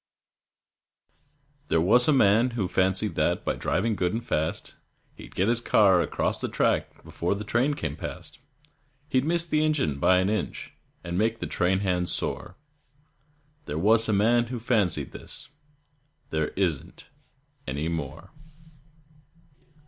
There was a man who fancied that by driving good and fast He'd get his car across the track before the train came past; He'd miss the engine by an inch, and make the train hands sore. There was a man who fancied this; there isn't any more.